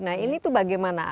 nah ini tuh bagaimana